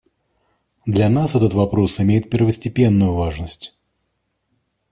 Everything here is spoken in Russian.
Для нас этот вопрос имеет первостепенную важность.